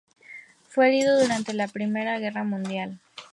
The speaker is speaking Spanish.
Fue herido durante la Primera Guerra Mundial.